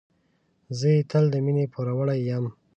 زه یې تل د مینې پوروړی یم.